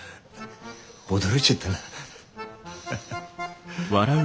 驚いちゃったなハハ。